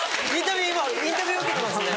今インタビュー受けてますね。